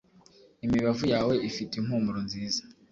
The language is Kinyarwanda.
imibavu yawe ifite impumuro nziza